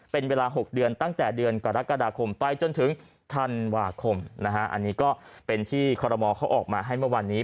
เป็นเวลา๖เดือนตั้งแต่เดือนกรกฎาคมไปจนถึงธันวาคมนะฮะอันนี้ก็เป็นที่คอรมอลเขาออกมาให้เมื่อวานนี้